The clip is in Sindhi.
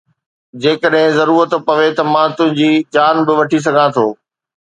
جيڪڏهن ضرورت پوي ته مان تنهنجي جان به وٺي سگهان ٿو